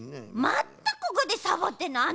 またここでサボってんの？